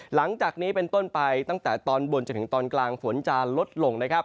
หลังจากนี้เป็นต้นไปตั้งแต่ตอนบนจนถึงตอนกลางฝนจะลดลงนะครับ